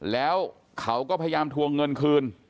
แล้วเขาก็พยายามทวงเงินคืน